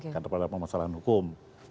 karena ada masalah hukum